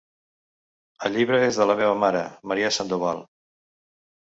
El llibre és de la meva mare, Maria Sandoval.